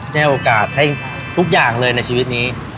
ให้โอกาสให้ทุกอย่างเลยในชีวิตนี้